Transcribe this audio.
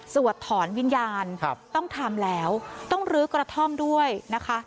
ถอนวิญญาณต้องทำแล้วต้องลื้อกระท่อมด้วยนะคะ